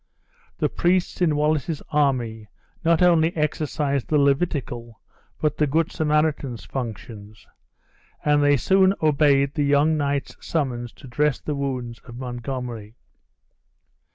The priests in Wallace's army not only exercised the Levitical but the good Samaritan's functions, and they soon obeyed the young knight's summons to dress the wounds of Montgomery.